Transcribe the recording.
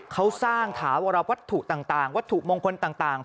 เขาสร้างถาวรวัตถุต่างวัตถุมงคลต่าง